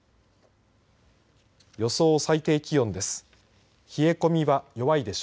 予想最低気温です。